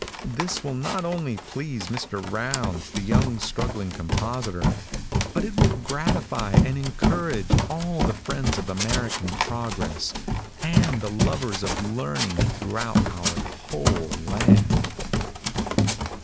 This will not only please Mr. Rounds, the young and struggling compositor, but it will gratify and encourage all the friends of American progress and the lovers of learning throughout our whole land.